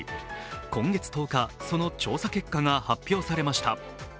今月１０日、その調査結果が発表されました。